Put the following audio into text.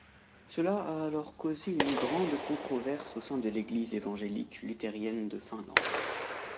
Cela a alors causé une grande controverse au sein de l'Église évangélique-luthérienne de Finlande.